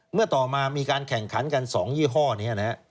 เมื่อต่อมามีการแข่งขันกัน๒ยี่ห้อนี้นะครับ